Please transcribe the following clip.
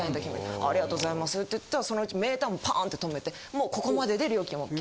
「ありがとうございます」って言ったそのうちメーターもパーンって止めて「もうここまでで料金ＯＫ」。